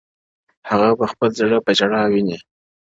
هغه به خپل زړه په ژړا وویني ـ